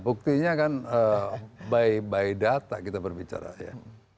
buktinya kan by by data kita berbicara ya